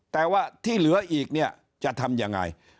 แต่ว่าที่เหลืออีกจะทำอย่างไร